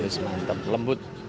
lebih halus mantap lembut